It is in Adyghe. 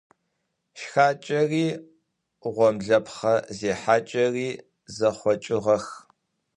Шхакӏэри гъомлэпхъэ зехьакӏэри зэхъокӏыгъэх.